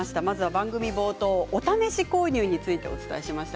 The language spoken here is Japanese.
番組の冒頭お試し購入についてお伝えしました。